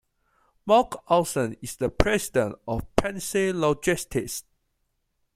Marc Althen is the president of Penske Logistics.